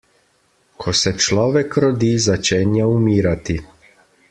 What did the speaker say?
Ko se človek rodi, začenja umirati.